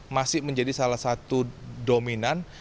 masih menjadi salah satu dominan